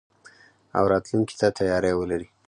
او راتلونکي ته تياری ولري.